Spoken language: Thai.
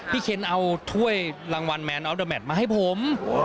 พี่เค็นเอาถ้วยรางวัลมาให้ผม